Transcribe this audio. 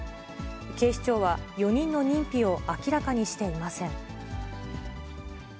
警視庁は、４人の認否を明らかにしていません。